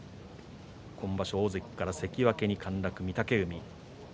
今場所、大関から関脇に陥落御嶽海。